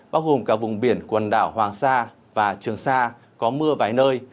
bao gồm cả vùng biển quần đảo hoàng sa và trường sa có mưa vài nơi